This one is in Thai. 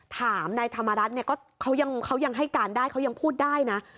ถามนายธรรมรัฐเนี่ยก็เขายังให้การได้เขายังพูดได้นะ